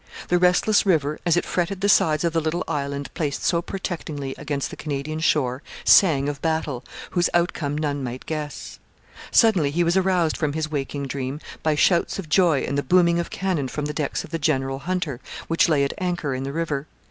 The restless river, as it fretted the sides of the little island placed so protectingly against the Canadian shore, sang of battle, whose outcome none might guess. Suddenly he was aroused from his waking dream by shouts of joy and the booming of cannon from the decks of the General Hunter, which lay at anchor in the river.